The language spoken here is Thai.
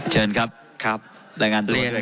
เชิญครับรายงานตัวด้วยครับ